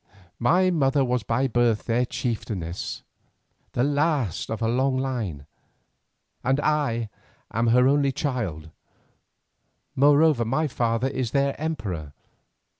My mother was by birth their chieftainess, the last of a long line, and I am her only child, moreover my father is their emperor.